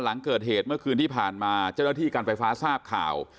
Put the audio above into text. หลังเกิดเหตุเมื่อคืนที่ผ่านมาเจ้าหน้าที่การไฟฟ้าทราบข่าว